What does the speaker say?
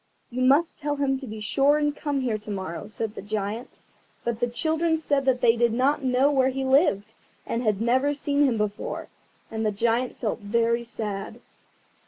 "You must tell him to be sure and come here to morrow," said the Giant. But the children said that they did not know where he lived, and had never seen him before; and the Giant felt very sad.